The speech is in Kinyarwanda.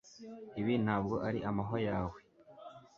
Ibi ntabwo ari amahwa yawe